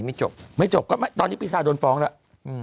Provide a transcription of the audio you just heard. ไม่จบไม่จบก็ตอนนี้ปีชาโดนฟ้องแล้ว